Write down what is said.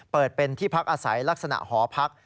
เปิดเป็นที่พักอาศัยลักษณะหอพัก